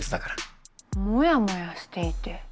モヤモヤしていて。